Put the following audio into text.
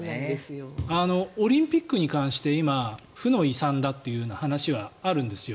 オリンピックに関して今、負の遺産だという話はあるんですよ。